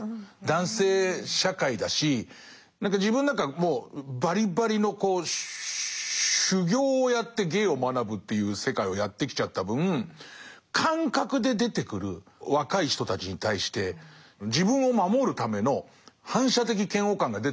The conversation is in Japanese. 男性社会だし自分なんかもうばりばりの修業をやって芸を学ぶっていう世界をやってきちゃった分感覚で出てくる若い人たちに対して自分を守るための反射的嫌悪感が出たりする時があって。